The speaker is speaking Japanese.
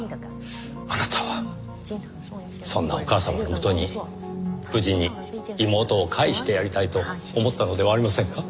あなたはそんなお母様の元に無事に妹を帰してやりたいと思ったのではありませんか？